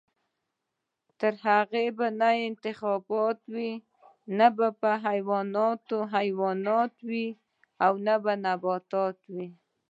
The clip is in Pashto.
تر هغو به نه انتخابات وي، نه به حیوانات حیوانات وي او نه نباتات.